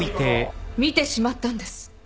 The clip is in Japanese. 見てしまったんです。